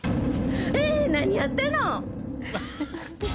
えーっ何やってんの！？